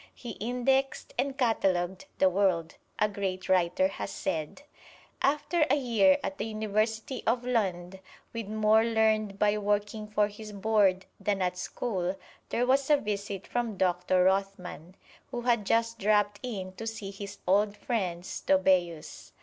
"He indexed and catalogued the world," a great writer has said. After a year at the University of Lund, with more learned by working for his board than at school, there was a visit from Doctor Rothman, who had just dropped in to see his old friend Stobæus.